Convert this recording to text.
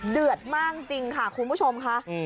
เดือดมากจริงค่ะคุณผู้ชมค่ะ